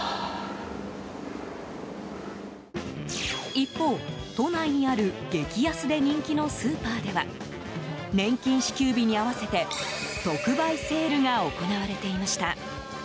一方、都内にある激安で人気のスーパーでは年金支給日に合わせて特売セールが行われていました。